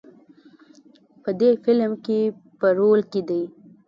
په دې فیلم کې په رول کې دی.